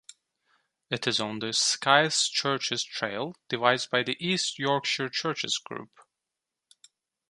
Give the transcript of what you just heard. It is on the Sykes Churches Trail devised by the East Yorkshire Churches Group.